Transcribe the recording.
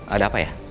ada apa ya